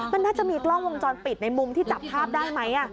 มันน่าจะมีกล้องวงจรปิดในมุมที่จับภาพได้ไหม